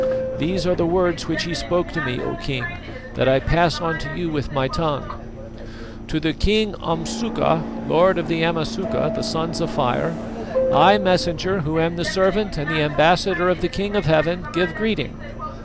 These are the words which he spoke to me, O King, that I pass on to you with my tongue: "To the King Umsuka, lord of the Amasuka, the Sons of Fire, I, Messenger, who am the servant and the ambassador of the King of Heaven, give greeting.